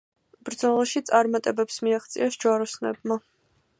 ბრძოლაში წარმატებებს მიაღწიეს ჯვაროსნებმა.